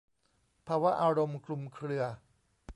ภาวะอารมณ์คลุมเครือ